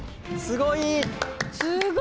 すごい！